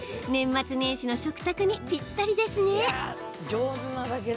年末年始の食卓にぴったりですね。